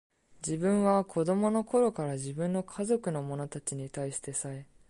自分は子供の頃から、自分の家族の者たちに対してさえ、